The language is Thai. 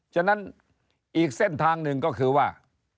ฉะนั้นอีกเส้นทางหนึ่งก็คือว่า